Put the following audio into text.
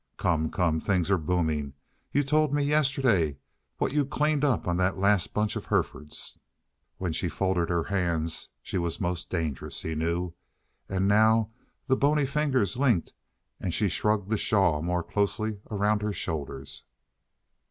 "Come, come! Things are booming. You told me yesterday what you'd clean up on the last bunch of Herefords." When she folded her hands, she was most dangerous, he knew. And now the bony fingers linked and she shrugged the shawl more closely around her shoulders.